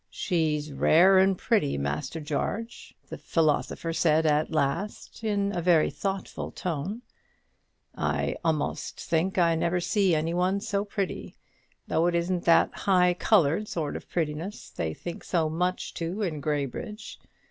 "She's rare an' pretty, Master Jarge," the philosopher said at last, in a very thoughtful tone; "I a'most think I never see any one so pretty; though it isn't that high coloured sort of prettiness they think so much to in Graybridge.